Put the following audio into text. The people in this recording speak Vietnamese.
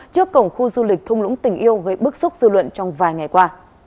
trước cổng khu du lịch thung lũng tình yêu gây bức xúc dư luận trong vài ngày qua